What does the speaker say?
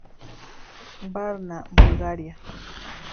Varna, Bulgaria.